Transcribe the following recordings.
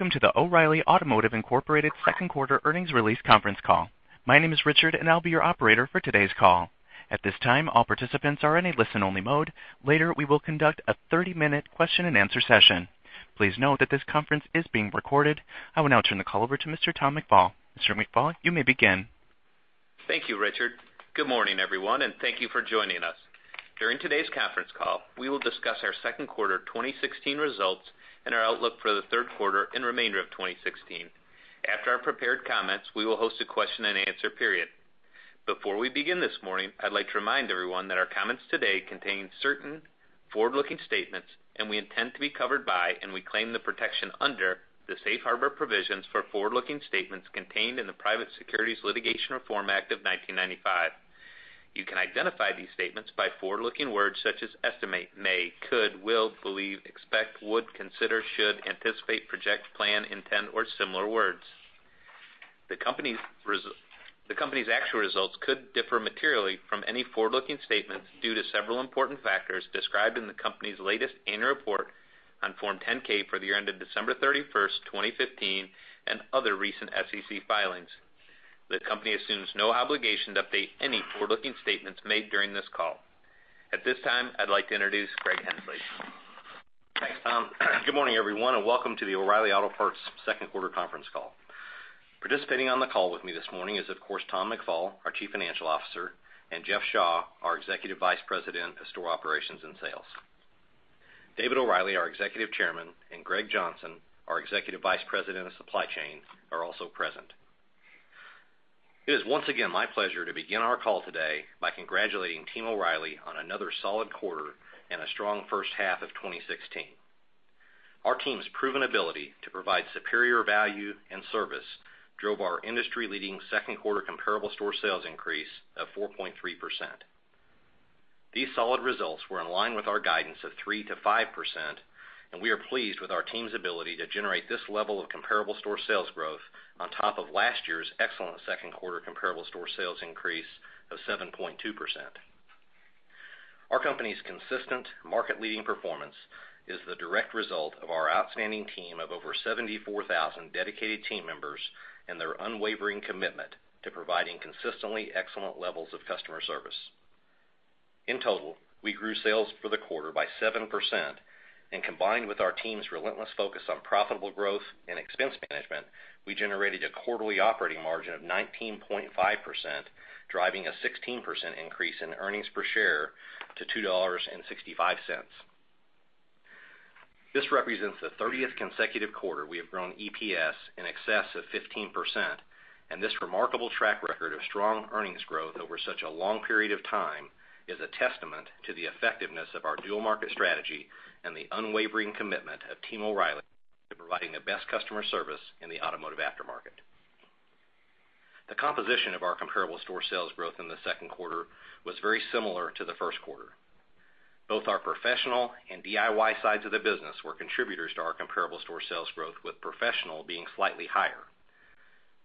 Welcome to the O’Reilly Automotive Incorporated second quarter earnings release conference call. My name is Richard, and I'll be your operator for today's call. At this time, all participants are in a listen-only mode. Later, we will conduct a 30-minute question and answer session. Please note that this conference is being recorded. I will now turn the call over to Mr. Tom McFall. Mr. McFall, you may begin. Thank you, Richard. Good morning, everyone, and thank you for joining us. During today's conference call, we will discuss our second quarter 2016 results and our outlook for the third quarter and remainder of 2016. After our prepared comments, we will host a question and answer period. Before we begin this morning, I'd like to remind everyone that our comments today contain certain forward-looking statements and we intend to be covered by and we claim the protection under the Safe Harbor Provisions for forward-looking statements contained in the Private Securities Litigation Reform Act of 1995. You can identify these statements by forward-looking words such as estimate, may, could, will, believe, expect, would, consider, should, anticipate, project, plan, intend, or similar words. The company's actual results could differ materially from any forward-looking statements due to several important factors described in the company's latest annual report on Form 10-K for the year ended December 31st, 2015, and other recent SEC filings. The company assumes no obligation to update any forward-looking statements made during this call. At this time, I'd like to introduce Greg Henslee. Thanks, Tom. Good morning, everyone, and welcome to the O’Reilly Automotive second quarter conference call. Participating on the call with me this morning is, of course, Tom McFall, our Chief Financial Officer, and Jeff Shaw, our Executive Vice President of Store Operations and Sales. David O’Reilly, our Executive Chairman, and Greg Johnson, our Executive Vice President of Supply Chain, are also present. It is once again my pleasure to begin our call today by congratulating Team O’Reilly on another solid quarter and a strong first half of 2016. Our team's proven ability to provide superior value and service drove our industry-leading second quarter comparable store sales increase of 4.3%. These solid results were in line with our guidance of 3%-5%. We are pleased with our team's ability to generate this level of comparable store sales growth on top of last year's excellent second-quarter comparable store sales increase of 7.2%. Our company's consistent market-leading performance is the direct result of our outstanding team of over 74,000 dedicated team members and their unwavering commitment to providing consistently excellent levels of customer service. In total, we grew sales for the quarter by 7%. Combined with our team's relentless focus on profitable growth and expense management, we generated a quarterly operating margin of 19.5%, driving a 16% increase in earnings per share to $2.65. This represents the 30th consecutive quarter we have grown EPS in excess of 15%. This remarkable track record of strong earnings growth over such a long period of time is a testament to the effectiveness of our dual market strategy and the unwavering commitment of Team O’Reilly to providing the best customer service in the automotive aftermarket. The composition of our comparable store sales growth in the second quarter was very similar to the first quarter. Both our professional and DIY sides of the business were contributors to our comparable store sales growth, with professional being slightly higher.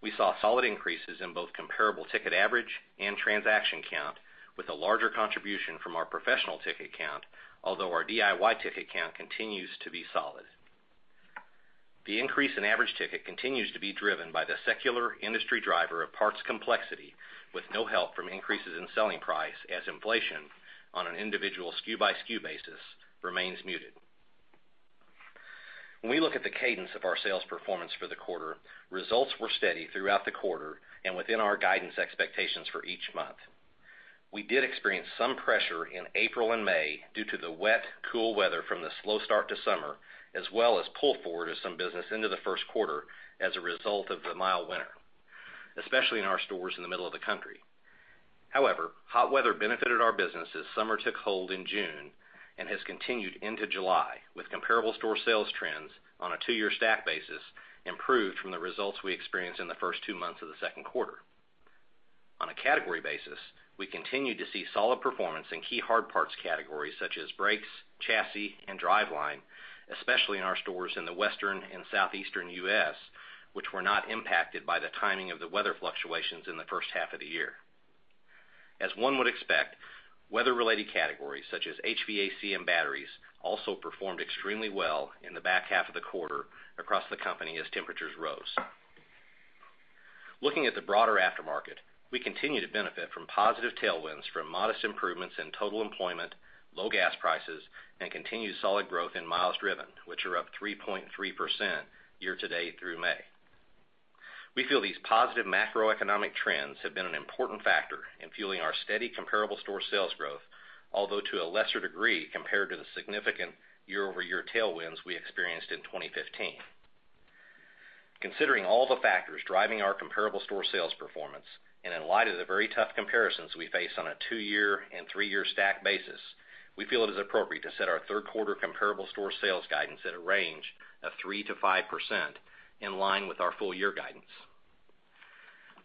We saw solid increases in both comparable ticket average and transaction count, with a larger contribution from our professional ticket count, although our DIY ticket count continues to be solid. The increase in average ticket continues to be driven by the secular industry driver of parts complexity with no help from increases in selling price as inflation on an individual SKU-by-SKU basis remains muted. When we look at the cadence of our sales performance for the quarter, results were steady throughout the quarter and within our guidance expectations for each month. We did experience some pressure in April and May due to the wet, cool weather from the slow start to summer, as well as pull forward of some business into the first quarter as a result of the mild winter, especially in our stores in the middle of the country. However, hot weather benefited our business as summer took hold in June and has continued into July, with comparable store sales trends on a two-year stack basis improved from the results we experienced in the first two months of the second quarter. On a category basis, we continued to see solid performance in key hard parts categories such as brakes, chassis, and driveline, especially in our stores in the Western and Southeastern U.S., which were not impacted by the timing of the weather fluctuations in the first half of the year. As one would expect, weather-related categories such as HVAC and batteries also performed extremely well in the back half of the quarter across the company as temperatures rose. Looking at the broader aftermarket, we continue to benefit from positive tailwinds from modest improvements in total employment, low gas prices, and continued solid growth in miles driven, which are up 3.3% year to date through May. We feel these positive macroeconomic trends have been an important factor in fueling our steady comparable store sales growth, although to a lesser degree compared to the significant year-over-year tailwinds we experienced in 2015. Considering all the factors driving our comparable store sales performance and in light of the very tough comparisons we face on a two-year and three-year stack basis, we feel it is appropriate to set our third quarter comparable store sales guidance at a range of 3%-5%, in line with our full-year guidance.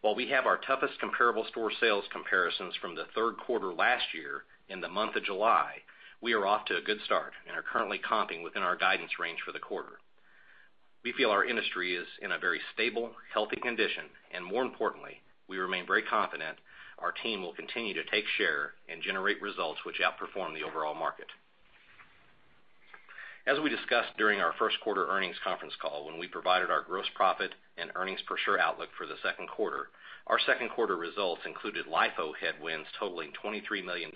While we have our toughest comparable store sales comparisons from the third quarter last year in the month of July, we are off to a good start and are currently comping within our guidance range for the quarter. We feel our industry in a very stable, healthy condition, and more importantly, we remain very confident our team will continue to take share and generate results which outperform the overall market. As we discussed during our first quarter earnings conference call when we provided our gross profit and earnings per share outlook for the second quarter, our second quarter results included LIFO headwinds totaling $23 million,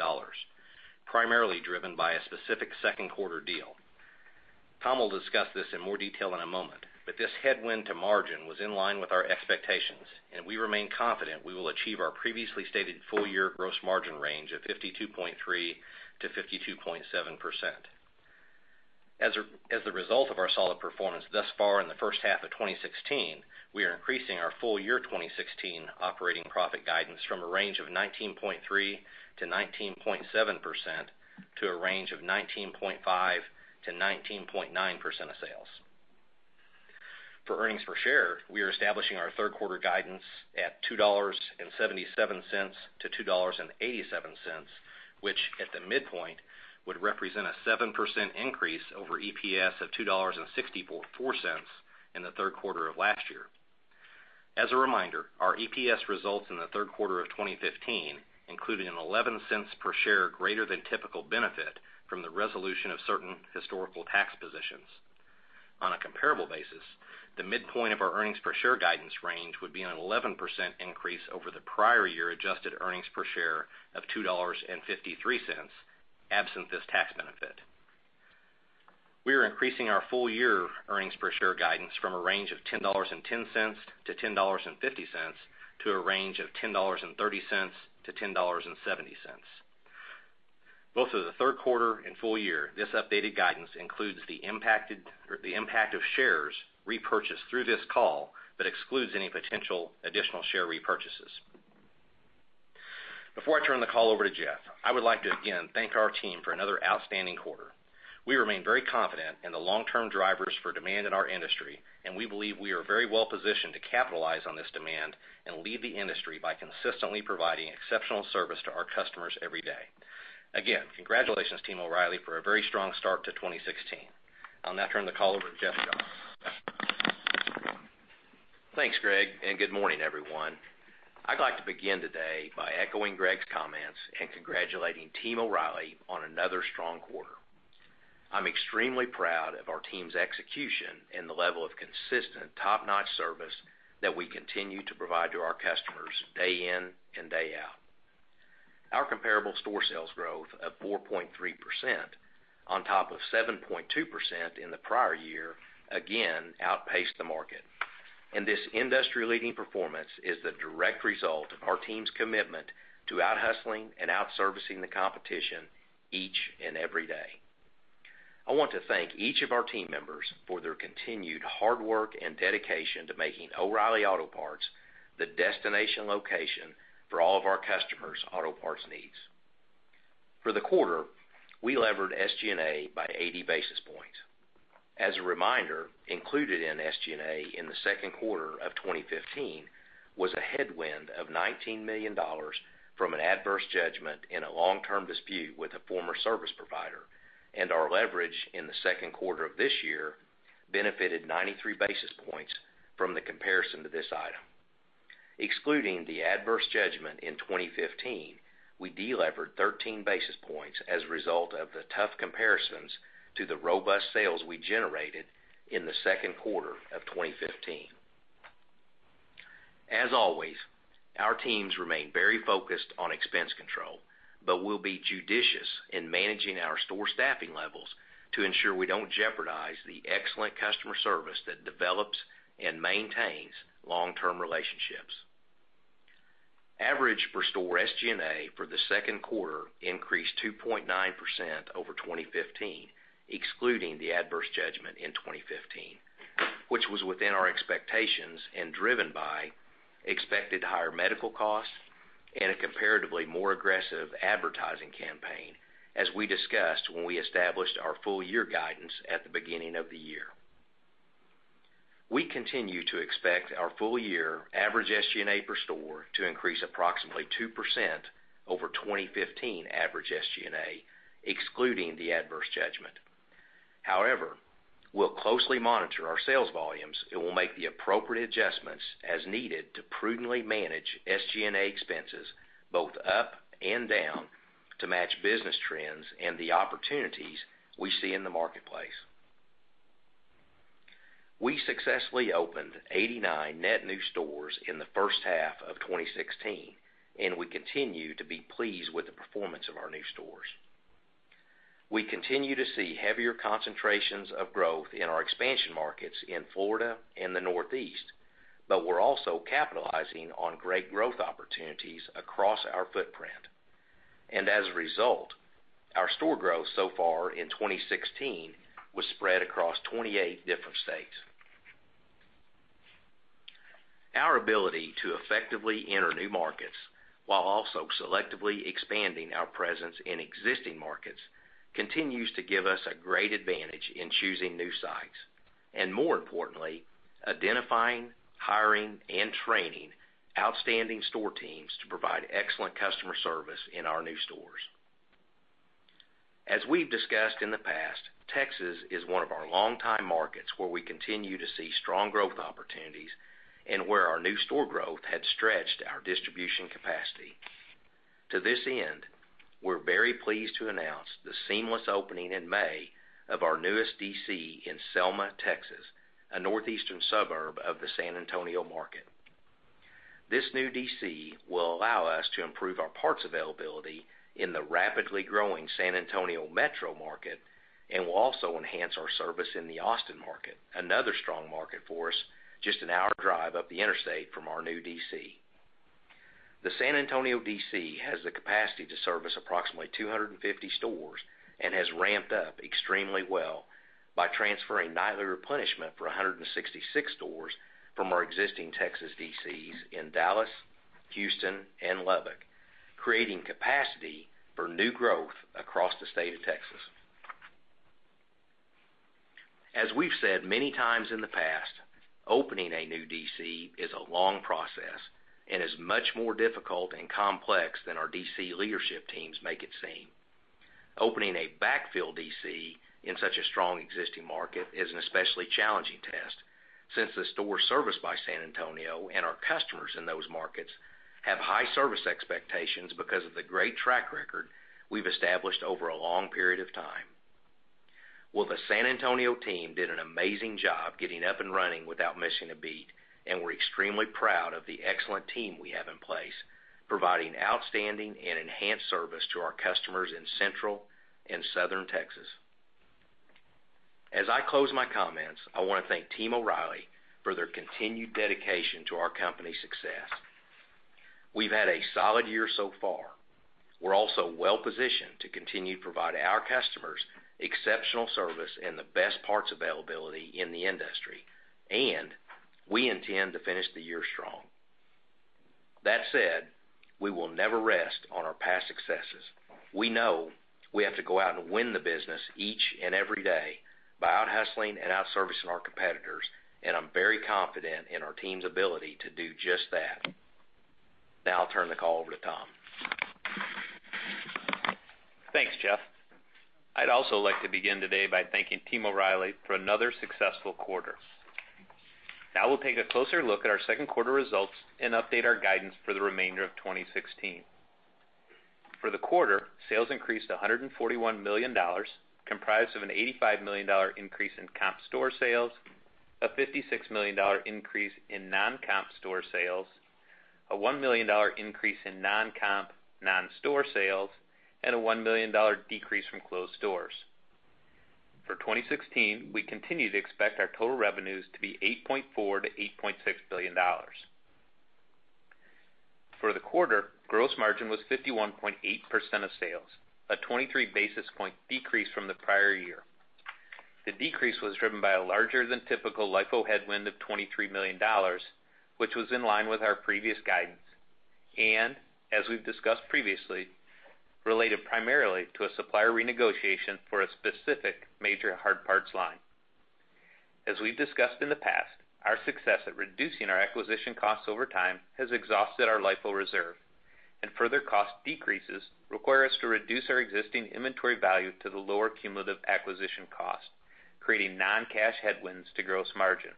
primarily driven by a specific second quarter deal. This headwind to margin was in line with our expectations, and we remain confident we will achieve our previously stated full-year gross margin range of 52.3%-52.7%. The result of our solid performance thus far in the first half of 2016, we are increasing our full-year 2016 operating profit guidance from a range of 19.3%-19.7% to a range of 19.5%-19.9% of sales. For earnings per share, we are establishing our third quarter guidance at $2.77-$2.87, which at the midpoint would represent a 7% increase over EPS of $2.64 in the third quarter of last year. As a reminder, our EPS results in the third quarter of 2015 included an $0.11 per share greater than typical benefit from the resolution of certain historical tax positions. On a comparable basis, the midpoint of our earnings per share guidance range would be an 11% increase over the prior year adjusted earnings per share of $2.53, absent this tax benefit. We are increasing our full-year earnings per share guidance from a range of $10.10-$10.50 to a range of $10.30-$10.70. Both of the third quarter and full-year, this updated guidance includes the impact of shares repurchased through this call, but excludes any potential additional share repurchases. Before I turn the call over to Jeff, I would like to again thank our team for another outstanding quarter. We remain very confident in the long-term drivers for demand in our industry, We believe we are very well-positioned to capitalize on this demand and lead the industry by consistently providing exceptional service to our customers every day. Congratulations, Team O’Reilly, for a very strong start to 2016. I'll now turn the call over to Jeff Shaw. Thanks, Greg, good morning, everyone. I'd like to begin today by echoing Greg's comments and congratulating Team O’Reilly on another strong quarter. I'm extremely proud of our team's execution and the level of consistent top-notch service that we continue to provide to our customers day in and day out. Our comparable store sales growth of 4.3% on top of 7.2% in the prior year, again, outpaced the market. This industry-leading performance is the direct result of our team's commitment to out-hustling and out-servicing the competition each and every day. I want to thank each of our team members for their continued hard work and dedication to making O’Reilly Automotive the destination location for all of our customers' auto parts needs. For the quarter, we levered SG&A by 80 basis points. As a reminder, included in SG&A in the second quarter of 2015 was a headwind of $19 million from an adverse judgment in a long-term dispute with a former service provider. Our leverage in the second quarter of this year benefited 93 basis points from the comparison to this item. Excluding the adverse judgment in 2015, we delevered 13 basis points as a result of the tough comparisons to the robust sales we generated in the second quarter of 2015. As always, our teams remain very focused on expense control. We'll be judicious in managing our store staffing levels to ensure we don't jeopardize the excellent customer service that develops and maintains long-term relationships. Average per store SG&A for the second quarter increased 2.9% over 2015, excluding the adverse judgment in 2015, which was within our expectations and driven by expected higher medical costs and a comparatively more aggressive advertising campaign, as we discussed when we established our full year guidance at the beginning of the year. We continue to expect our full year average SG&A per store to increase approximately 2% over 2015 average SG&A, excluding the adverse judgment. However, we'll closely monitor our sales volumes and will make the appropriate adjustments as needed to prudently manage SG&A expenses both up and down to match business trends and the opportunities we see in the marketplace. We successfully opened 89 net new stores in the first half of 2016. We continue to be pleased with the performance of our new stores. We continue to see heavier concentrations of growth in our expansion markets in Florida and the Northeast. We're also capitalizing on great growth opportunities across our footprint. As a result, our store growth so far in 2016 was spread across 28 different states. Our ability to effectively enter new markets while also selectively expanding our presence in existing markets continues to give us a great advantage in choosing new sites, and more importantly, identifying, hiring, and training outstanding store teams to provide excellent customer service in our new stores. As we've discussed in the past, Texas is one of our longtime markets where we continue to see strong growth opportunities and where our new store growth had stretched our distribution capacity. To this end, we're very pleased to announce the seamless opening in May of our newest DC in Selma, Texas, a northeastern suburb of the San Antonio market. This new DC will allow us to improve our parts availability in the rapidly growing San Antonio metro market, and will also enhance our service in the Austin market, another strong market for us, just an hour drive up the interstate from our new DC. The San Antonio DC has the capacity to service approximately 250 stores and has ramped up extremely well by transferring nightly replenishment for 166 stores from our existing Texas DCs in Dallas, Houston, and Lubbock, creating capacity for new growth across the state of Texas. As we've said many times in the past, opening a new DC is a long process and is much more difficult and complex than our DC leadership teams make it seem. Opening a backfill DC in such a strong existing market is an especially challenging test, since the stores serviced by San Antonio and our customers in those markets have high service expectations because of the great track record we've established over a long period of time. Well, the San Antonio team did an amazing job getting up and running without missing a beat, and we're extremely proud of the excellent team we have in place, providing outstanding and enhanced service to our customers in Central and Southern Texas. As I close my comments, I want to thank Team O’Reilly for their continued dedication to our company's success. We've had a solid year so far. We're also well-positioned to continue to provide our customers exceptional service and the best parts availability in the industry, and we intend to finish the year strong. That said, we will never rest on our past successes. We know we have to go out and win the business each and every day by out-hustling and out-servicing our competitors, and I'm very confident in our team's ability to do just that. Now I'll turn the call over to Tom. Thanks, Jeff. I'd also like to begin today by thanking Team O’Reilly for another successful quarter. Now we'll take a closer look at our second quarter results and update our guidance for the remainder of 2016. For the quarter, sales increased to $141 million, comprised of an $85 million increase in comp store sales, a $56 million increase in non-comp store sales, a $1 million increase in non-comp non-store sales, and a $1 million decrease from closed stores. For 2016, we continue to expect our total revenues to be $8.4 billion-$8.6 billion. For the quarter, gross margin was 51.8% of sales, a 23-basis point decrease from the prior year. The decrease was driven by a larger than typical LIFO headwind of $23 million, which was in line with our previous guidance. As we've discussed previously, related primarily to a supplier renegotiation for a specific major hard parts line. As we've discussed in the past, our success at reducing our acquisition costs over time has exhausted our LIFO reserve. Further cost decreases require us to reduce our existing inventory value to the lower cumulative acquisition cost, creating non-cash headwinds to gross margin.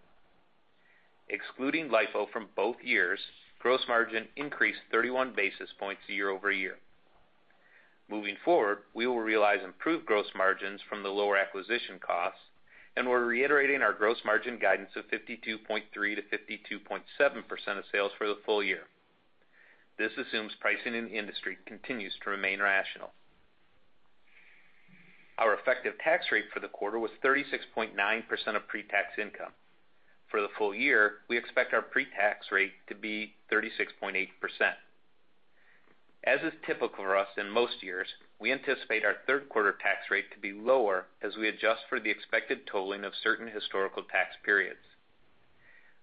Excluding LIFO from both years, gross margin increased 31 basis points year-over-year. Moving forward, we will realize improved gross margins from the lower acquisition costs, we're reiterating our gross margin guidance of 52.3%-52.7% of sales for the full year. This assumes pricing in the industry continues to remain rational. Our effective tax rate for the quarter was 36.9% of pre-tax income. For the full year, we expect our pre-tax rate to be 36.8%. As is typical for us in most years, we anticipate our third quarter tax rate to be lower as we adjust for the expected tolling of certain historical tax periods.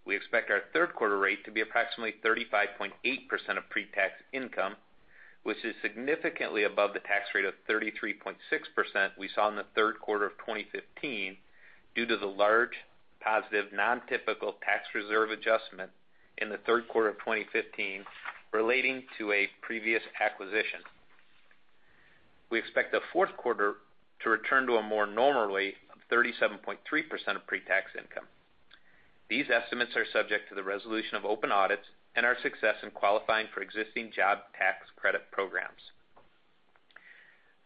We expect our third quarter rate to be approximately 35.8% of pre-tax income, which is significantly above the tax rate of 33.6% we saw in the third quarter of 2015 due to the large positive non-typical tax reserve adjustment in the third quarter of 2015 relating to a previous acquisition. We expect the fourth quarter to return to a more normal rate of 37.3% of pre-tax income. These estimates are subject to the resolution of open audits and our success in qualifying for existing job tax credit programs.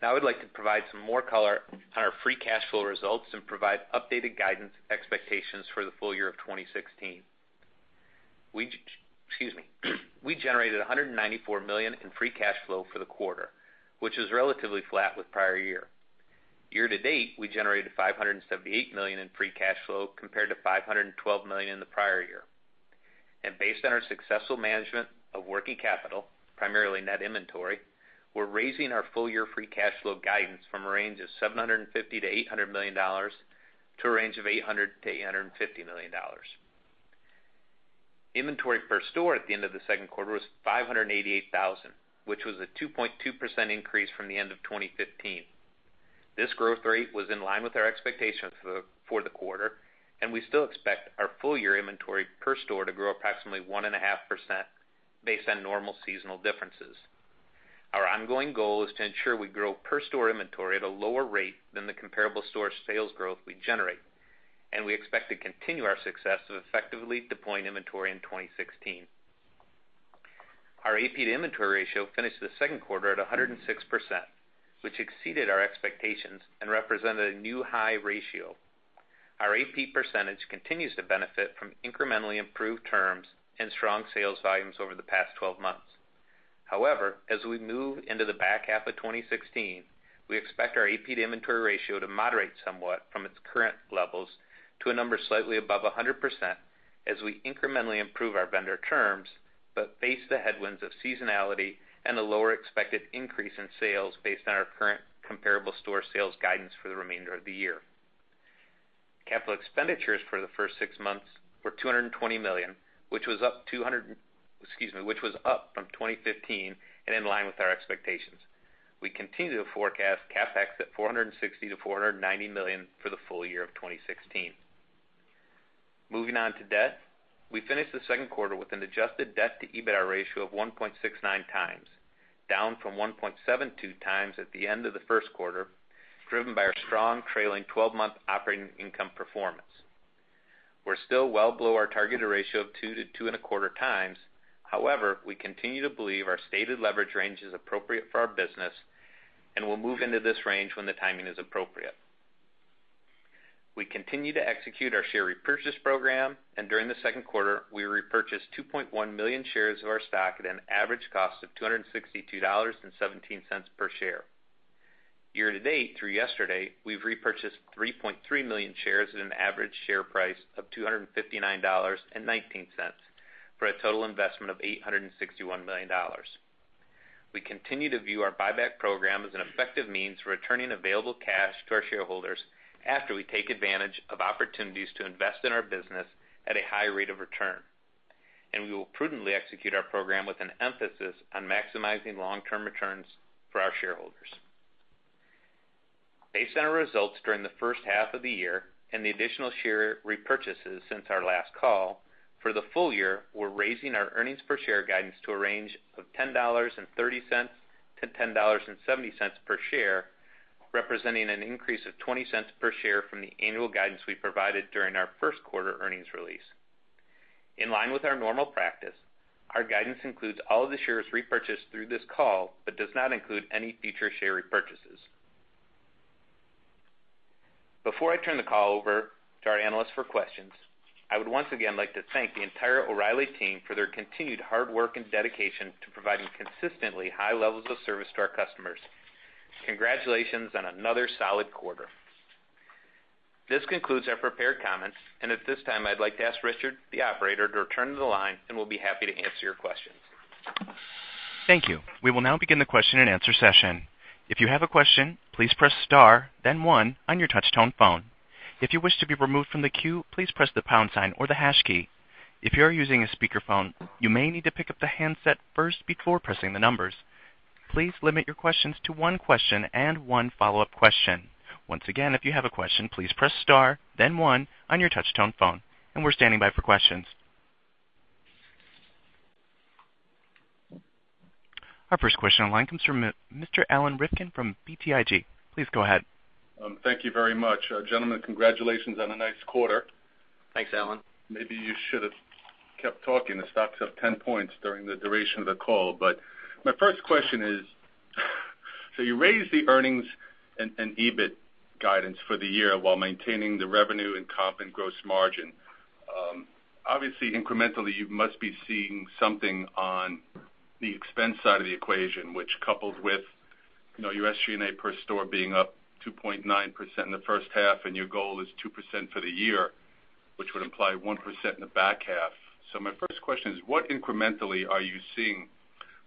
I would like to provide some more color on our free cash flow results and provide updated guidance expectations for the full year of 2016. We generated $194 million in free cash flow for the quarter, which is relatively flat with prior year. Year-to-date, we generated $578 million in free cash flow compared to $512 million in the prior year. Based on our successful management of working capital, primarily net inventory, we're raising our full year free cash flow guidance from a range of $750 million-$800 million to a range of $800 million-$850 million. Inventory per store at the end of the second quarter was 588,000, which was a 2.2% increase from the end of 2015. This growth rate was in line with our expectations for the quarter, and we still expect our full year inventory per store to grow approximately 1.5% based on normal seasonal differences. Our ongoing goal is to ensure we grow per store inventory at a lower rate than the comparable store sales growth we generate, and we expect to continue our success of effectively deploying inventory in 2016. Our AP to inventory ratio finished the second quarter at 106%, which exceeded our expectations and represented a new high ratio. Our AP percentage continues to benefit from incrementally improved terms and strong sales volumes over the past 12 months. As we move into the back half of 2016, we expect our AP to inventory ratio to moderate somewhat from its current levels to a number slightly above 100% as we incrementally improve our vendor terms, but face the headwinds of seasonality and a lower expected increase in sales based on our current comparable store sales guidance for the remainder of the year. Capital expenditures for the first six months were $220 million, which was up from 2015, and in line with our expectations. We continue to forecast CapEx at $460 million-$490 million for the full year of 2016. Moving on to debt. We finished the second quarter with an adjusted debt to EBITDA ratio of 1.69 times, down from 1.72 times at the end of the first quarter, driven by our strong trailing 12-month operating income performance. We're still well below our targeted ratio of 2 to 2.25 times. We continue to believe our stated leverage range is appropriate for our business and will move into this range when the timing is appropriate. We continue to execute our share repurchase program, and during the second quarter, we repurchased 2.1 million shares of our stock at an average cost of $262.17 per share. Year-to-date through yesterday, we've repurchased 3.3 million shares at an average share price of $259.19 for a total investment of $861 million. We continue to view our buyback program as an effective means for returning available cash to our shareholders after we take advantage of opportunities to invest in our business at a high rate of return. We will prudently execute our program with an emphasis on maximizing long-term returns for our shareholders. Based on our results during the first half of the year and the additional share repurchases since our last call. For the full year, we're raising our earnings per share guidance to a range of $10.30-$10.70 per share, representing an increase of $0.20 per share from the annual guidance we provided during our first quarter earnings release. In line with our normal practice, our guidance includes all of the shares repurchased through this call but does not include any future share repurchases. Before I turn the call over to our analyst for questions, I would once again like to thank the entire O'Reilly team for their continued hard work and dedication to providing consistently high levels of service to our customers. Congratulations on another solid quarter. This concludes our prepared comments, and at this time, I'd like to ask Richard, the operator, to return to the line, and we'll be happy to answer your questions. Thank you. We will now begin the question and answer session. If you have a question, please press star, then one on your touch-tone phone. If you wish to be removed from the queue, please press the pound sign or the hash key. If you are using a speakerphone, you may need to pick up the handset first before pressing the numbers. Please limit your questions to one question and one follow-up question. Once again, if you have a question, please press star, then one on your touch-tone phone. We're standing by for questions. Our first question on line comes from Mr. Alan Rifkin from BTIG. Please go ahead. Thank you very much. Gentlemen, congratulations on a nice quarter. Thanks, Alan. Maybe you should have kept talking. The stock's up 10 points during the duration of the call. My first question is you raised the earnings and EBIT guidance for the year while maintaining the revenue and comp and gross margin. Obviously, incrementally, you must be seeing something on the expense side of the equation, which coupled with your SG&A per store being up 2.9% in the first half, and your goal is 2% for the year, which would imply 1% in the back half. My first question is, what incrementally are you seeing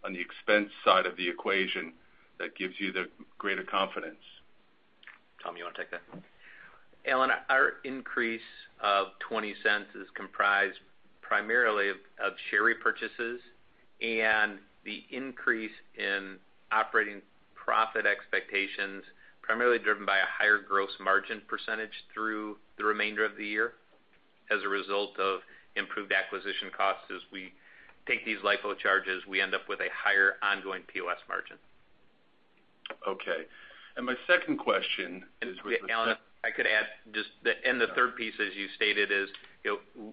on the expense side of the equation that gives you the greater confidence? Tom, you want to take that? Alan, our increase of $0.20 is comprised primarily of share repurchases and the increase in operating profit expectations, primarily driven by a higher gross margin percentage through the remainder of the year as a result of improved acquisition costs. As we take these LIFO charges, we end up with a higher ongoing POS margin. Okay. Alan, I could add just. The third piece, as you stated, is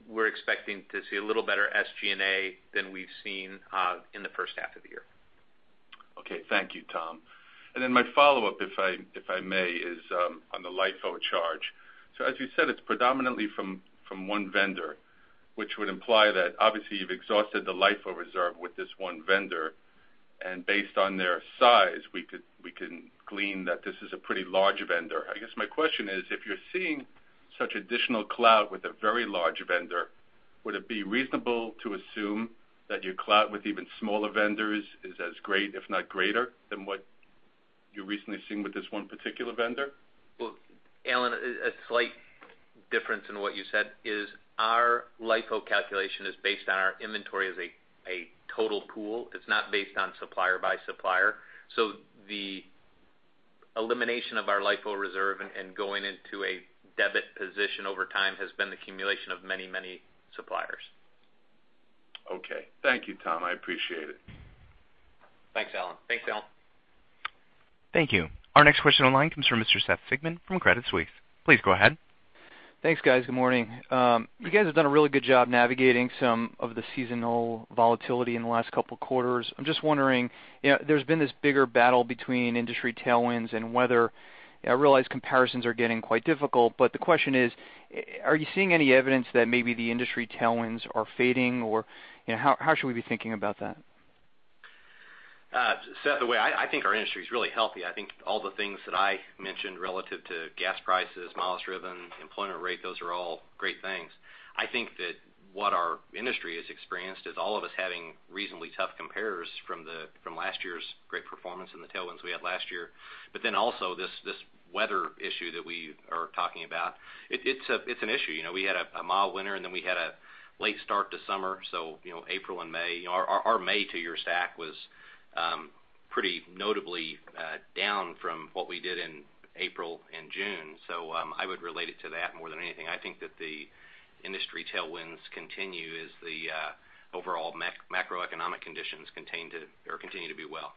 we're expecting to see a little better SG&A than we've seen in the first half of the year. Okay. Thank you, Tom. My follow-up, if I may, is on the LIFO charge. As you said, it's predominantly from one vendor, which would imply that obviously you've exhausted the LIFO reserve with this one vendor, and based on their size, we can glean that this is a pretty large vendor. I guess my question is, if you're seeing such additional clout with a very large vendor, would it be reasonable to assume that your clout with even smaller vendors is as great, if not greater, than what you're recently seeing with this one particular vendor? Well, Alan, a slight difference in what you said is our LIFO calculation is based on our inventory as a total pool. It's not based on supplier by supplier. The Elimination of our LIFO reserve and going into a debit position over time has been the accumulation of many suppliers. Okay. Thank you, Tom. I appreciate it. Thanks, Alan. Thank you. Our next question online comes from Mr. Seth Sigman from Credit Suisse. Please go ahead. Thanks, guys. Good morning. You guys have done a really good job navigating some of the seasonal volatility in the last couple of quarters. I'm just wondering, there's been this bigger battle between industry tailwinds and weather. I realize comparisons are getting quite difficult. The question is, are you seeing any evidence that maybe the industry tailwinds are fading? How should we be thinking about that? Seth, the way I think our industry is really healthy, I think all the things that I mentioned relative to gas prices, miles driven, employment rate, those are all great things. I think that what our industry has experienced is all of us having reasonably tough comparers from last year's great performance and the tailwinds we had last year. Also this weather issue that we are talking about, it's an issue. We had a mild winter, we had a late start to summer, so April and May. Our May two-year stack was pretty notably down from what we did in April and June. I would relate it to that more than anything. I think that the industry tailwinds continue as the overall macroeconomic conditions continue to do well.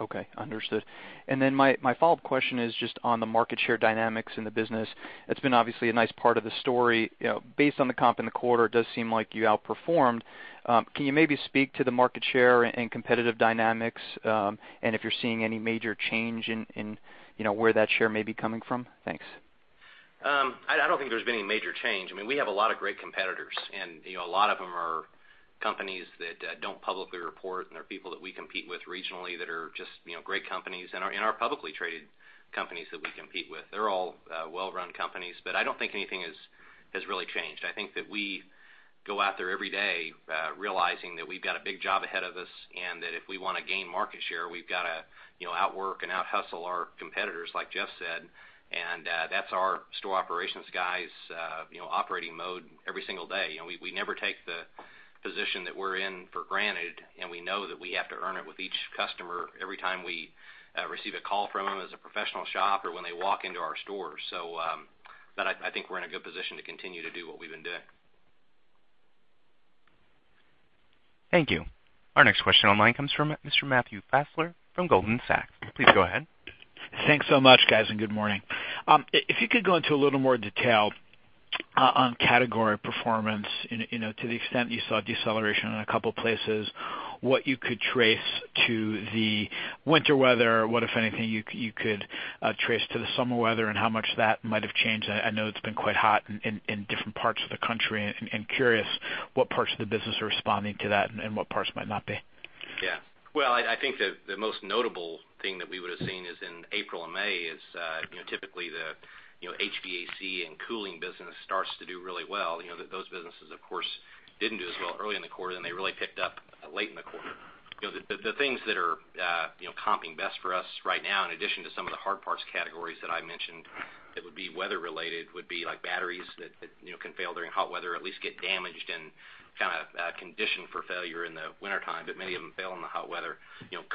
Okay, understood. My follow-up question is just on the market share dynamics in the business. It's been obviously a nice part of the story. Based on the comp in the quarter, it does seem like you outperformed. Can you maybe speak to the market share and competitive dynamics, and if you're seeing any major change in where that share may be coming from? Thanks. I don't think there's been any major change. We have a lot of great competitors. A lot of them are companies that don't publicly report. They're people that we compete with regionally that are just great companies and are publicly traded companies that we compete with. They're all well-run companies. I don't think anything has really changed. I think that we go out there every day realizing that we've got a big job ahead of us. If we want to gain market share, we've got to outwork and out-hustle our competitors, like Jeff said, and that's our store operations guys' operating mode every single day. We never take the position that we're in for granted. We know that we have to earn it with each customer every time we receive a call from them as a professional shop or when they walk into our stores. I think we're in a good position to continue to do what we've been doing. Thank you. Our next question online comes from Mr. Matthew Fassler from Goldman Sachs. Please go ahead. Thanks so much, guys. Good morning. If you could go into a little more detail on category performance to the extent you saw deceleration in a couple places, what you could trace to the winter weather, what, if anything, you could trace to the summer weather and how much that might have changed. I know it's been quite hot in different parts of the country. Curious what parts of the business are responding to that and what parts might not be. Well, I think the most notable thing that we would've seen is in April and May is, typically the HVAC and cooling business starts to do really well. Those businesses, of course, didn't do as well early in the quarter, then they really picked up late in the quarter. The things that are comping best for us right now, in addition to some of the hard parts categories that I mentioned that would be weather related, would be like batteries that can fail during hot weather, at least get damaged and kind of conditioned for failure in the wintertime, but many of them fail in the hot weather.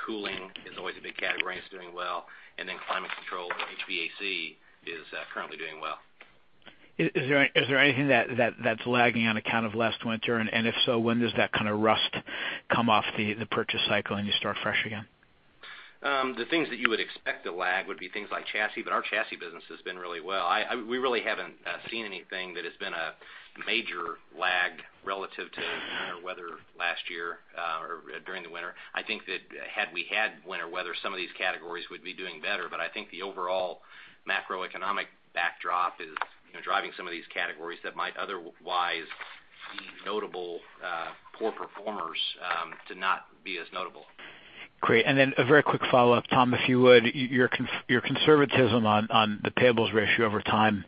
Cooling is always a big category and it's doing well, and then climate control, HVAC, is currently doing well. Is there anything that's lagging on account of last winter? If so, when does that kind of rust come off the purchase cycle and you start fresh again? The things that you would expect to lag would be things like chassis, Our chassis business has been really well. We really haven't seen anything that has been a major lag relative to winter weather last year, or during the winter. I think that had we had winter weather, some of these categories would be doing better. I think the overall macroeconomic backdrop is driving some of these categories that might otherwise be notable poor performers to not be as notable. Great. A very quick follow-up, Tom, if you would. Your conservatism on the payables ratio over time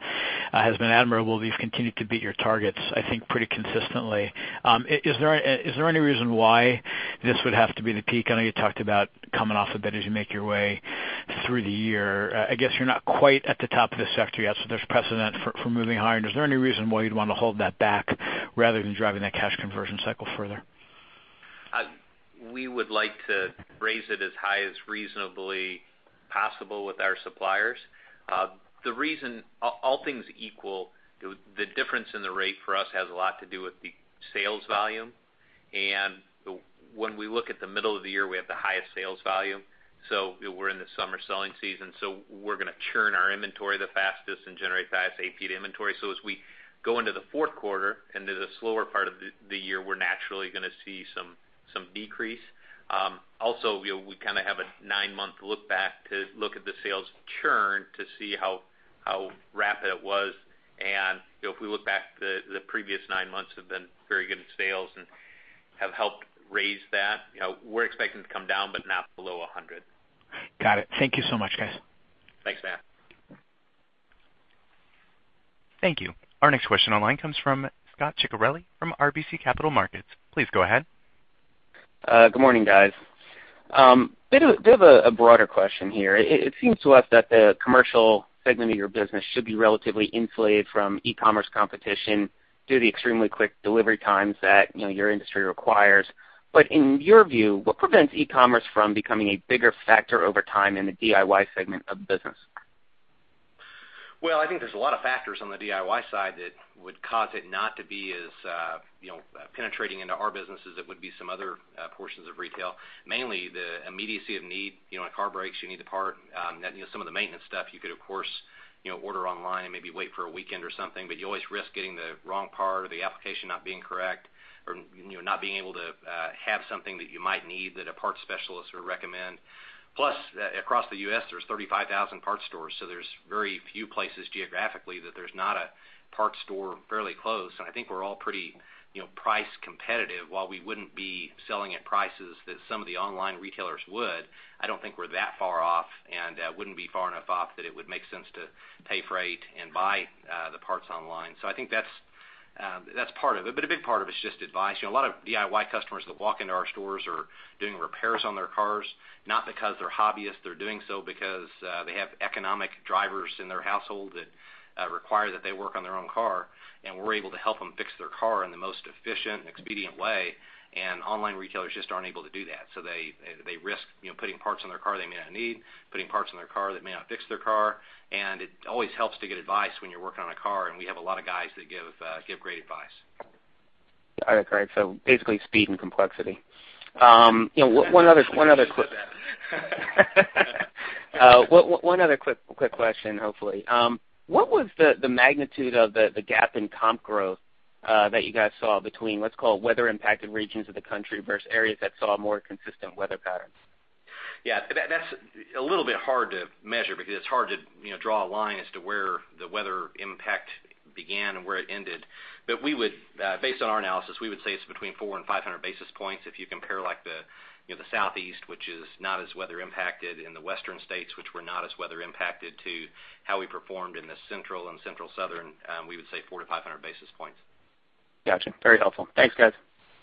has been admirable. You've continued to beat your targets, I think, pretty consistently. Is there any reason why this would have to be the peak? I know you talked about coming off a bit as you make your way through the year. I guess you're not quite at the top of this sector yet, so there's precedent for moving higher. Is there any reason why you'd want to hold that back rather than driving that cash conversion cycle further? We would like to raise it as high as reasonably possible with our suppliers. The reason, all things equal, the difference in the rate for us has a lot to do with the sales volume. When we look at the middle of the year, we have the highest sales volume. We're in the summer selling season, we're going to churn our inventory the fastest and generate the fastest AP to inventory. As we go into the fourth quarter, into the slower part of the year, we're naturally going to see some decrease. Also, we kind of have a nine-month look back to look at the sales churn to see how rapid it was. If we look back, the previous nine months have been very good in sales and have helped raise that. We're expecting to come down, but not below 100. Got it. Thank you so much, guys. Thanks, Matt. Thank you. Our next question online comes from Scot Ciccarelli from RBC Capital Markets. Please go ahead. Good morning, guys. Bit of a broader question here. It seems to us that the commercial segment of your business should be relatively insulated from e-commerce competition due to the extremely quick delivery times that your industry requires. In your view, what prevents e-commerce from becoming a bigger factor over time in the DIY segment of the business? Well, I think there's a lot of factors on the DIY side that would cause it not to be as penetrating into our business as it would be some other portions of retail. Mainly the immediacy of need. A car breaks, you need the part. Some of the maintenance stuff you could, of course, order online and maybe wait for a weekend or something, but you always risk getting the wrong part or the application not being correct or not being able to have something that you might need that a parts specialist would recommend. Plus, across the U.S., there's 35,000 parts stores, so there's very few places geographically that there's not a parts store fairly close. I think we're all pretty price competitive. While we wouldn't be selling at prices that some of the online retailers would, I don't think we're that far off, and wouldn't be far enough off that it would make sense to pay freight and buy the parts online. I think that's part of it. A big part of it's just advice. A lot of DIY customers that walk into our stores are doing repairs on their cars, not because they're hobbyists. They're doing so because they have economic drivers in their household that require that they work on their own car, and we're able to help them fix their car in the most efficient and expedient way, and online retailers just aren't able to do that. They risk putting parts on their car they may not need, putting parts on their car that may not fix their car. It always helps to get advice when you're working on a car, and we have a lot of guys that give great advice. All right. Great. Basically speed and complexity. One other quick question, hopefully. What was the magnitude of the gap in comp growth that you guys saw between, let's call, weather-impacted regions of the country versus areas that saw more consistent weather patterns? Yeah. That's a little bit hard to measure because it's hard to draw a line as to where the weather impact began and where it ended. Based on our analysis, we would say it's between 400 and 500 basis points if you compare the Southeast, which is not as weather-impacted, and the western states, which were not as weather-impacted, to how we performed in the Central and Central Southern, we would say 400 to 500 basis points. Got you. Very helpful. Thanks, guys.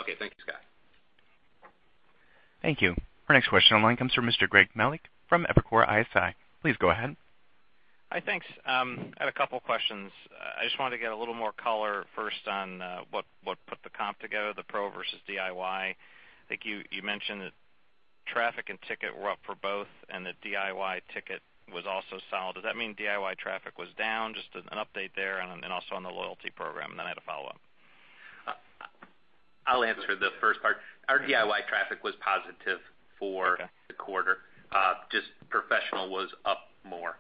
Okay. Thanks, Scot. Thank you. Our next question online comes from Mr. Greg Melich from Evercore ISI. Please go ahead. Hi, thanks. I have a couple questions. I just wanted to get a little more color first on what put the comp together, the pro versus DIY. I think you mentioned that traffic and ticket were up for both and the DIY ticket was also solid. Does that mean DIY traffic was down? Just an update there, and also on the loyalty program, and then I had a follow-up. I'll answer the first part. Our DIY traffic was positive. Okay The quarter. Just professional was up more.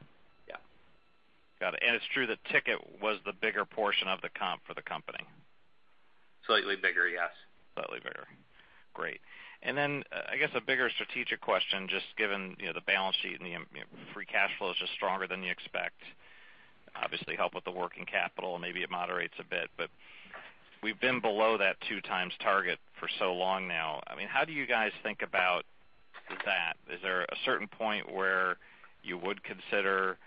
Got it. It's true the ticket was the bigger portion of the comp for the company. Slightly bigger, yes. Slightly bigger. Great. I guess a bigger strategic question, just given the balance sheet and the free cash flow is just stronger than you expect. Obviously, help with the working capital, and maybe it moderates a bit, but we've been below that two times target for so long now. How do you guys think about that? Is there a certain point where you would consider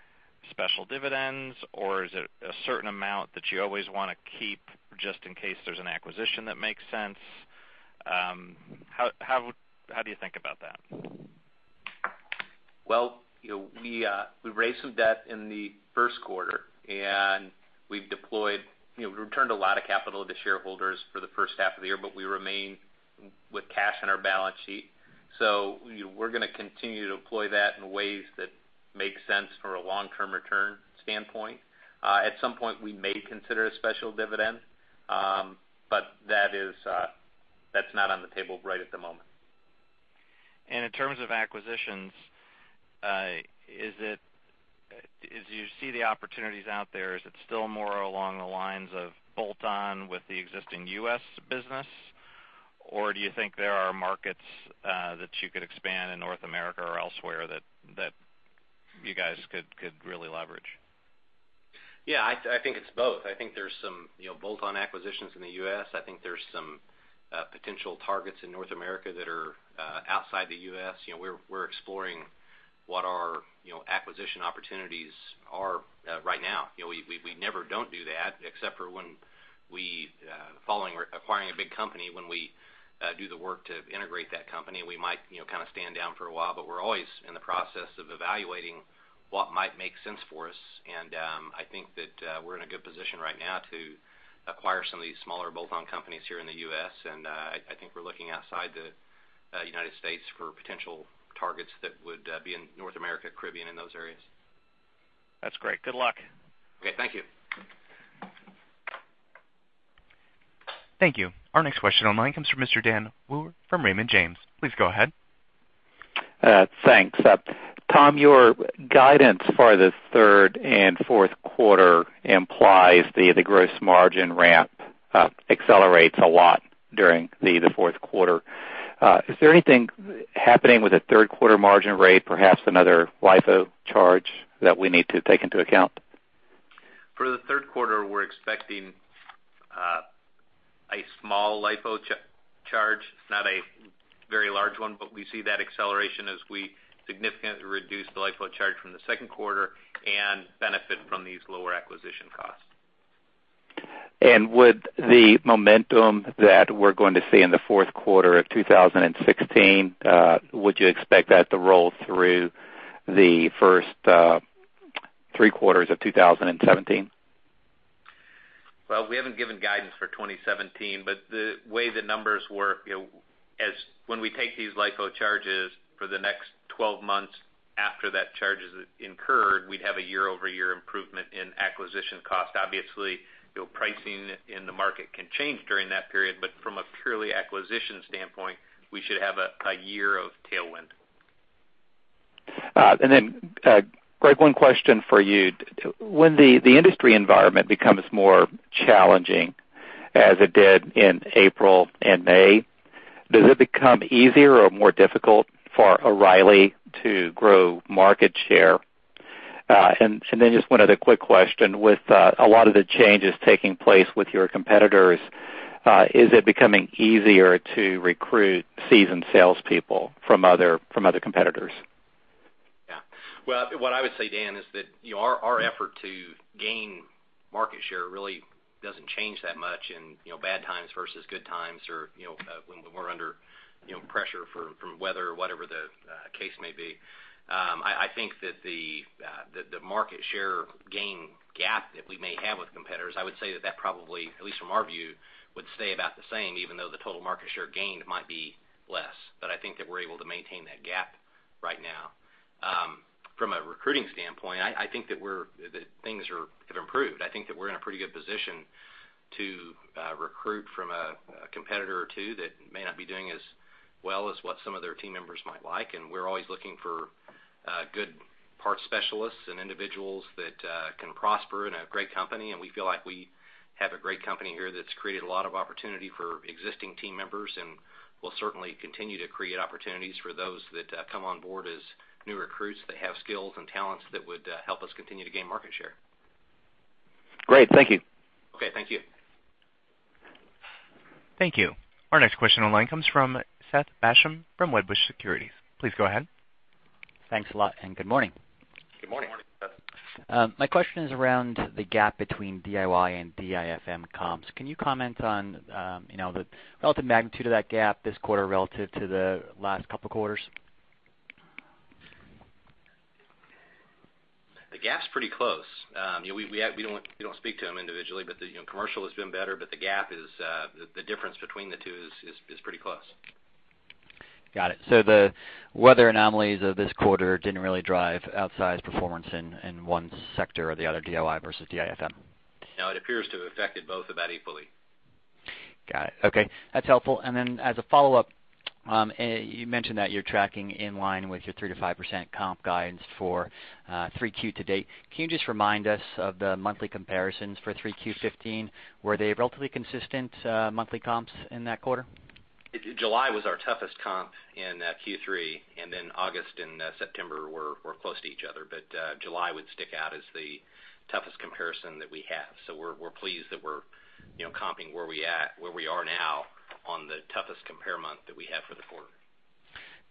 special dividends, or is it a certain amount that you always want to keep just in case there's an acquisition that makes sense? How do you think about that? Well, we raised some debt in the first quarter, and we've returned a lot of capital to shareholders for the first half of the year, but we remain with cash on our balance sheet. We're going to continue to deploy that in ways that make sense for a long-term return standpoint. At some point, we may consider a special dividend, but that's not on the table right at the moment. In terms of acquisitions, as you see the opportunities out there, is it still more along the lines of bolt-on with the existing U.S. business, or do you think there are markets that you could expand in North America or elsewhere that you guys could really leverage? Yeah, I think it's both. I think there's some bolt-on acquisitions in the U.S. I think there's some potential targets in North America that are outside the U.S. We're exploring what our acquisition opportunities are right now. We never don't do that except for when acquiring a big company, when we do the work to integrate that company, we might kind of stand down for a while. We're always in the process of evaluating what might make sense for us, and I think that we're in a good position right now to acquire some of these smaller bolt-on companies here in the U.S. I think we're looking outside the United States for potential targets that would be in North America, Caribbean, and those areas. That's great. Good luck. Okay, thank you. Thank you. Our next question online comes from Mr. Dan Wewer from Raymond James. Please go ahead. Thanks. Tom, your guidance for the third and fourth quarter implies the gross margin ramp accelerates a lot during the fourth quarter. Is there anything happening with the third quarter margin rate, perhaps another LIFO charge that we need to take into account? For the third quarter, we're expecting a small LIFO charge. It's not a very large one, we see that acceleration as we significantly reduce the LIFO charge from the second quarter and benefit from these lower acquisition costs. Would the momentum that we're going to see in the fourth quarter of 2016, would you expect that to roll through the first three quarters of 2017? Well, we haven't given guidance for 2017, but the way the numbers work, when we take these LIFO charges for the next 12 months after that charge is incurred, we'd have a year-over-year improvement in acquisition cost. Obviously, pricing in the market can change during that period, but from a purely acquisition standpoint, we should have a year of tailwind. Then, Greg, one question for you. When the industry environment becomes more challenging, as it did in April and May, does it become easier or more difficult for O’Reilly to grow market share? Then just one other quick question, with a lot of the changes taking place with your competitors, is it becoming easier to recruit seasoned salespeople from other competitors? Yeah. Well, what I would say, Dan, is that our effort to gain market share really doesn't change that much in bad times versus good times, or when we're under pressure from weather or whatever the case may be. I think that the market share gain gap that we may have with competitors, I would say that that probably, at least from our view, would stay about the same, even though the total market share gained might be less. I think that we're able to maintain that gap right now. From a recruiting standpoint, I think that things have improved. I think that we're in a pretty good position to recruit from a competitor or two that may not be doing as well as what some of their team members might like. We're always looking for good parts specialists and individuals that can prosper in a great company. We feel like we have a great company here that's created a lot of opportunity for existing team members, and we'll certainly continue to create opportunities for those that come on board as new recruits that have skills and talents that would help us continue to gain market share. Great. Thank you. Okay. Thank you. Thank you. Our next question online comes from Seth Basham from Wedbush Securities. Please go ahead. Thanks a lot, and good morning. Good morning. Good morning, Seth. My question is around the gap between DIY and DIFM comps. Can you comment on the relative magnitude of that gap this quarter relative to the last couple of quarters? The gap's pretty close. We don't speak to them individually, the commercial has been better, the difference between the two is pretty close. Got it. The weather anomalies of this quarter didn't really drive outsized performance in one sector or the other, DIY versus DIFM? No, it appears to have affected both about equally. Got it. Okay. That's helpful. As a follow-up, you mentioned that you're tracking in line with your 3%-5% comp guidance for Q3 to date. Can you just remind us of the monthly comparisons for Q3 2015? Were they relatively consistent monthly comps in that quarter? July was our toughest comp in Q3, and then August and September were close to each other. July would stick out as the toughest comparison that we have. We're pleased that we're comping where we are now on the toughest compare month that we have for the quarter.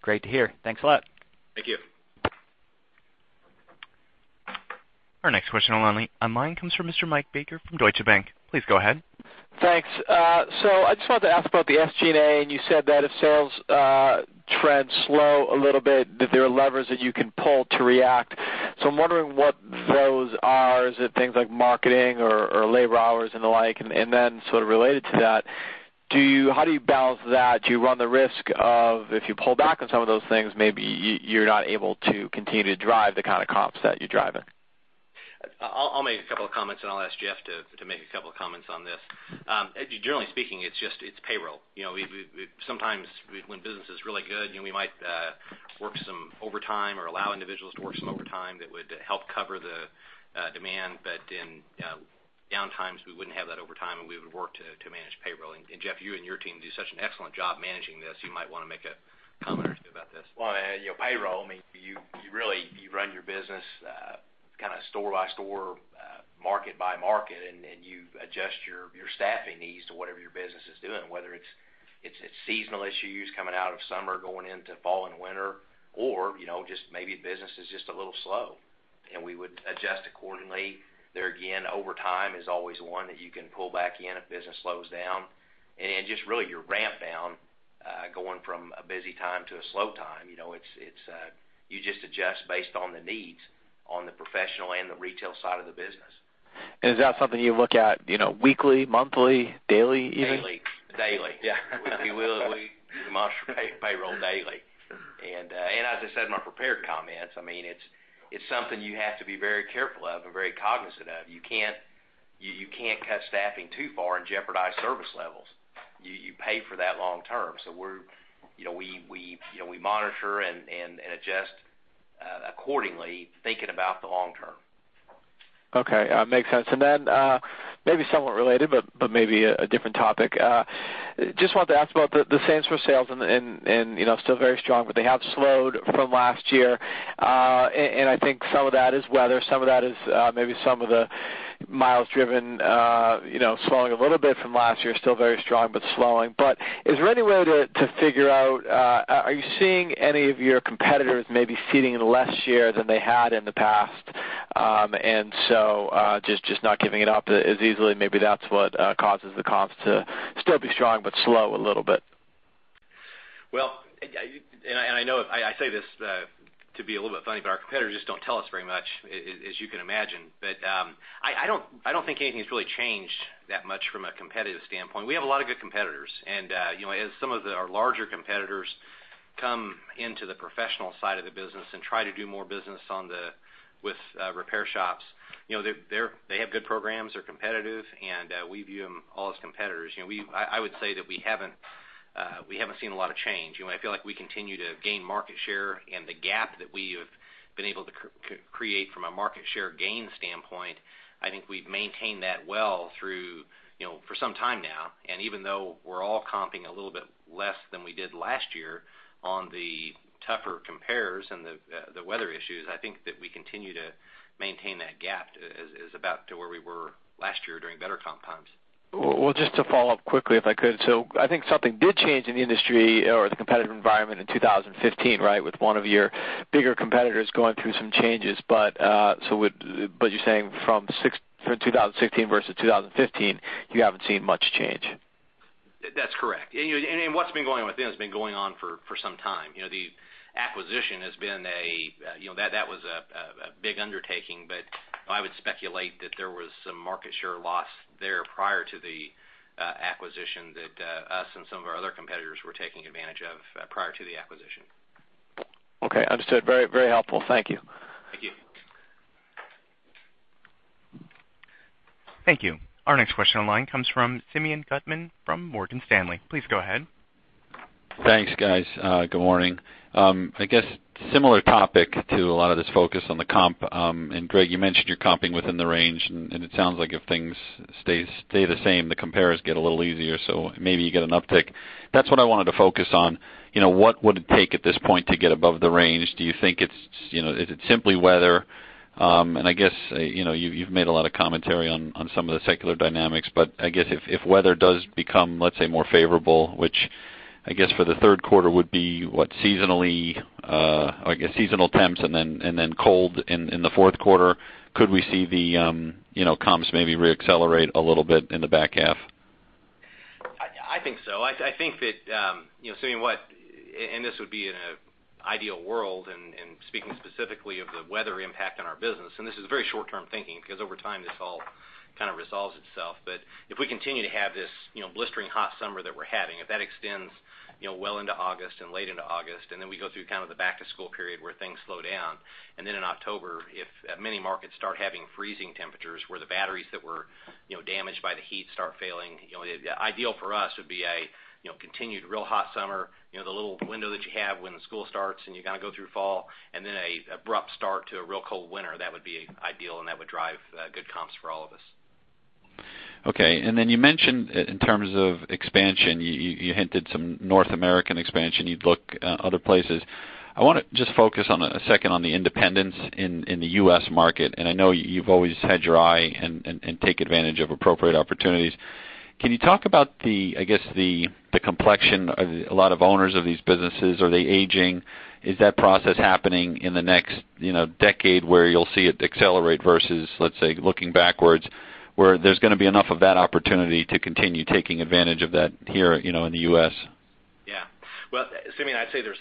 Great to hear. Thanks a lot. Thank you. Our next question online comes from Mr. Mike Baker from Deutsche Bank. Please go ahead. Thanks. I just wanted to ask about the SG&A, and you said that if sales trend slow a little bit, that there are levers that you can pull to react. I'm wondering what those are. Is it things like marketing or labor hours and the like? Sort of related to that, how do you balance that? Do you run the risk of, if you pull back on some of those things, maybe you're not able to continue to drive the kind of comps that you're driving? I'll make a couple of comments, I'll ask Jeff to make a couple of comments on this. Generally speaking, it's payroll. Sometimes when business is really good, we might work some overtime or allow individuals to work some overtime that would help cover the demand. In down times, we wouldn't have that overtime, and we would work to manage payroll. Jeff, you and your team do such an excellent job managing this. You might want to make a comment or two about this. Well, payroll, you run your business kind of store by store, market by market, you adjust your staffing needs to whatever your business is doing, whether it's seasonal issues coming out of summer, going into fall and winter, just maybe business is just a little slow, we would adjust accordingly. There again, overtime is always one that you can pull back in if business slows down. Just really your ramp down, going from a busy time to a slow time. You just adjust based on the needs on the professional and the retail side of the business. Is that something you look at weekly, monthly, daily, even? Daily. Daily. Yeah. We monitor payroll daily. As I said in my prepared comments, it's something you have to be very careful of and very cognizant of. You can't cut staffing too far and jeopardize service levels. You pay for that long term. We monitor and adjust accordingly, thinking about the long term. Okay. Makes sense. Then, maybe somewhat related, but maybe a different topic. Just wanted to ask about the same store sales and still very strong, but they have slowed from last year. I think some of that is weather, some of that is maybe some of the miles driven slowing a little bit from last year, still very strong but slowing. Is there any way to figure out, are you seeing any of your competitors maybe ceding less share than they had in the past? Just not giving it up as easily, maybe that's what causes the comps to still be strong, but slow a little bit. Well, I know I say this to be a little bit funny, but our competitors just don't tell us very much, as you can imagine. I don't think anything's really changed that much from a competitive standpoint. We have a lot of good competitors. As some of our larger competitors come into the professional side of the business and try to do more business with repair shops, they have good programs, they're competitive, and we view them all as competitors. I would say that we haven't seen a lot of change. I feel like we continue to gain market share. The gap that we have been able to create from a market share gain standpoint, I think we've maintained that well for some time now. Even though we're all comping a little bit less than we did last year on the tougher compares and the weather issues, I think that we continue to maintain that gap is about to where we were last year during better comp times. Well, just to follow up quickly if I could. I think something did change in the industry or the competitive environment in 2015, right? With one of your bigger competitors going through some changes. You're saying from 2016 versus 2015, you haven't seen much change. That's correct. What's been going on with them has been going on for some time. The acquisition, that was a big undertaking, but I would speculate that there was some market share loss there prior to the acquisition that us and some of our other competitors were taking advantage of prior to the acquisition. Okay, understood. Very helpful. Thank you. Thank you. Thank you. Our next question online comes from Simeon Gutman from Morgan Stanley. Please go ahead. Thanks, guys. Good morning. I guess similar topic to a lot of this focus on the comp. Greg, you mentioned you're comping within the range, and it sounds like if things stay the same, the compares get a little easier, so maybe you get an uptick. That's what I wanted to focus on. What would it take at this point to get above the range? Do you think it's simply weather? I guess, you've made a lot of commentary on some of the secular dynamics, but I guess if weather does become, let's say, more favorable, which I guess for the third quarter would be what seasonally, I guess, seasonal temps and then cold in the fourth quarter, could we see the comps maybe re-accelerate a little bit in the back half? I think so. I think that, Simeon, this would be in an ideal world speaking specifically of the weather impact on our business, this is very short-term thinking because over time, this all kind of resolves itself. If we continue to have this blistering hot summer that we're having, if that extends well into August and late into August, we go through kind of the back-to-school period where things slow down, in October, if many markets start having freezing temperatures where the batteries that were damaged by the heat start failing, the ideal for us would be a continued real hot summer, the little window that you have when school starts and you kind of go through fall an abrupt start to a real cold winter. That would be ideal, that would drive good comps for all of us. You mentioned in terms of expansion, you hinted some North American expansion. You'd look other places. I want to just focus a second on the independents in the U.S. market, and I know you've always had your eye and take advantage of appropriate opportunities. Can you talk about the complexion of a lot of owners of these businesses? Are they aging? Is that process happening in the next decade where you'll see it accelerate versus, let's say, looking backwards, where there's going to be enough of that opportunity to continue taking advantage of that here in the U.S.? Yeah. Well, Simeon, I'd say there's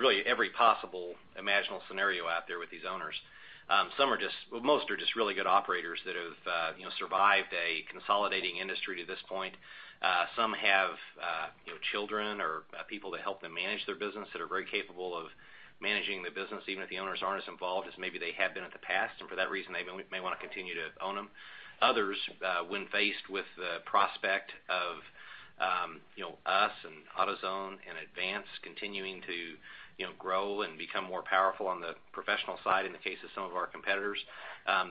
really every possible imaginable scenario out there with these owners. Most are just really good operators that have survived a consolidating industry to this point. Some have children or people to help them manage their business that are very capable of managing the business, even if the owners aren't as involved as maybe they have been in the past. For that reason, they may want to continue to own them. Others, when faced with the prospect of us and AutoZone and Advance continuing to grow and become more powerful on the professional side, in the case of some of our competitors,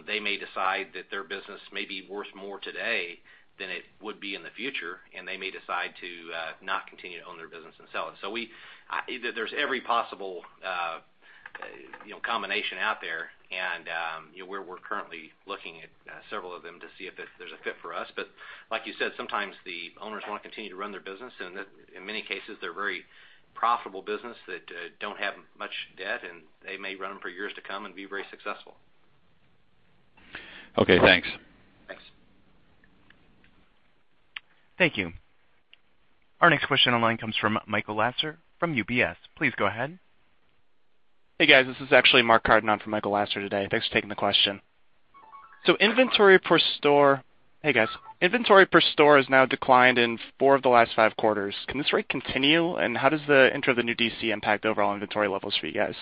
they may decide that their business may be worth more today than it would be in the future, and they may decide to not continue to own their business and sell it. There's every possible combination out there, and we're currently looking at several of them to see if there's a fit for us. Like you said, sometimes the owners want to continue to run their business, and in many cases, they're very profitable business that don't have much debt, and they may run them for years to come and be very successful. Okay, thanks. Thanks. Thank you. Our next question online comes from Michael Lasser from UBS. Please go ahead. Hey, guys. This is actually Mark Carden for Michael Lasser today. Thanks for taking the question. Hey, guys. Inventory per store has now declined in four of the last five quarters. Can this rate continue, and how does the intro of the new DC impact overall inventory levels for you guys?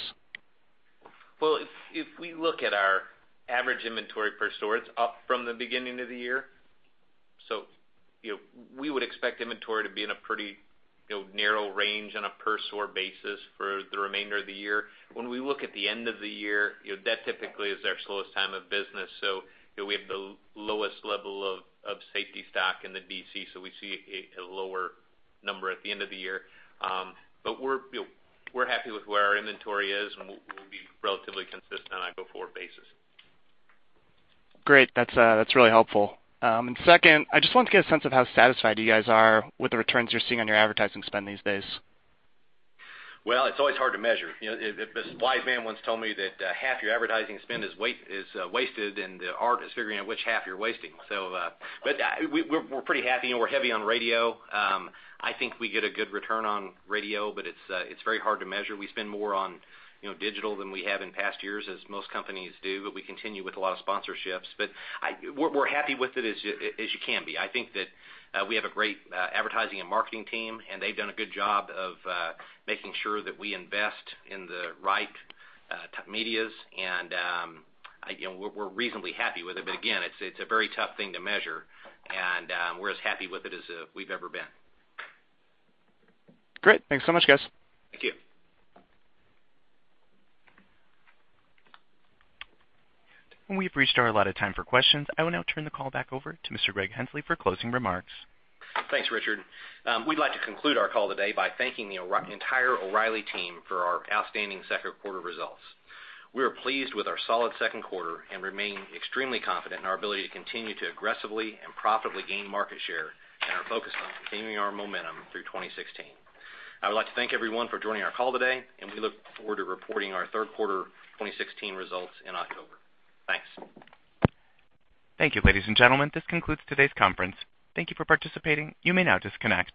Well, if we look at our average inventory per store, it's up from the beginning of the year. We would expect inventory to be in a pretty narrow range on a per store basis for the remainder of the year. When we look at the end of the year, that typically is our slowest time of business. We have the lowest level of safety stock in the DC, so we see a lower number at the end of the year. We're happy with where our inventory is, and we'll be relatively consistent on a go-forward basis. Great. That's really helpful. Second, I just wanted to get a sense of how satisfied you guys are with the returns you're seeing on your advertising spend these days. It's always hard to measure. A wise man once told me that half your advertising spend is wasted, and the art is figuring out which half you're wasting. We're pretty happy, and we're heavy on radio. I think we get a good return on radio, but it's very hard to measure. We spend more on digital than we have in past years, as most companies do, but we continue with a lot of sponsorships. We're happy with it as you can be. I think that we have a great advertising and marketing team, and they've done a good job of making sure that we invest in the right medias, and we're reasonably happy with it. Again, it's a very tough thing to measure, and we're as happy with it as we've ever been. Great. Thanks so much, guys. Thank you. We've reached our allotted time for questions. I will now turn the call back over to Mr. Greg Henslee for closing remarks. Thanks, Richard. We'd like to conclude our call today by thanking the entire O'Reilly team for our outstanding second quarter results. We are pleased with our solid second quarter and remain extremely confident in our ability to continue to aggressively and profitably gain market share and are focused on continuing our momentum through 2016. I would like to thank everyone for joining our call today. We look forward to reporting our third quarter 2016 results in October. Thanks. Thank you, ladies and gentlemen. This concludes today's conference. Thank you for participating. You may now disconnect.